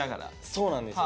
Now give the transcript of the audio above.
そうなんですよ。